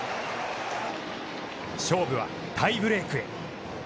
勝負はタイブレークへ。